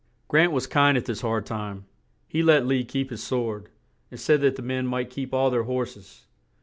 Grant was kind at this hard time; he let Lee keep his sword, and said that the men might keep all their hors es.